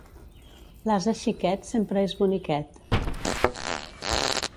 L'ase xiquet sempre és boniquet.